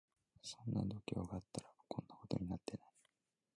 そんな度胸があったらこんなことになってない